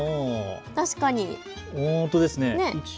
確かに、本当ですね。